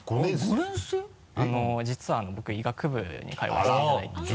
実は僕医学部に通わせていただいてて。